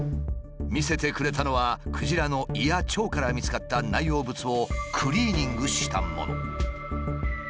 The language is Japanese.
見せてくれたのはクジラの胃や腸から見つかった内容物をクリーニングしたもの。